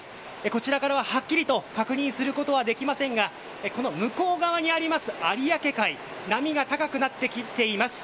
こちらからははっきりと確認することはできませんが向こう側にあります、有明海波が高くなってきています。